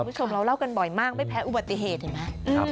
คุณผู้ชมเราเล่ากันบ่อยมากไม่แพ้อุบัติเหตุเห็นไหม